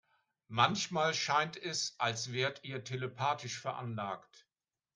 Manchmal scheint es, als wärt ihr telepathisch veranlagt.